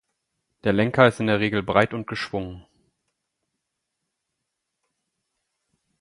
Der Lenker ist in der Regel breit und geschwungen.